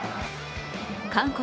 韓国